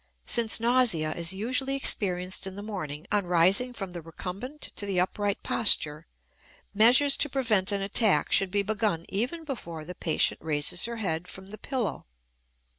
Since nausea is usually experienced in the morning on rising from the recumbent to the upright posture, measures to prevent an attack should be begun even before the patient raises her head from the pillow.